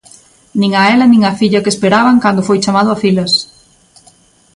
Nin a ela nin á filla que esperaban cando foi chamado a filas.